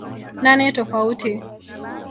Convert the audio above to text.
nane tofauti